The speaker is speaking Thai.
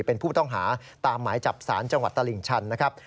เป็นผู้ต้องหาตามหมายจับสารจังหวัดตลิ่งชันนะครับ